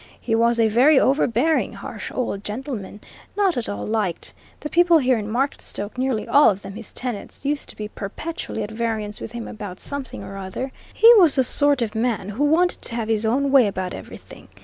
He was a very overbearing, harsh old gentleman, not at all liked the people here in Marketstoke, nearly all of them his tenants, used to be perpetually at variance with him about something or other; he was the sort of man who wanted to have his own way about everything.